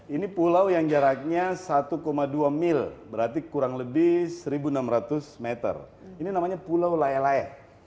ini pulau yang jaraknya satu dua mil berarti kurang lebih seribu enam ratus meter ini namanya pulau laya laya